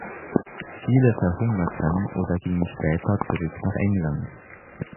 Viele verhungerten oder gingen später zurück nach England.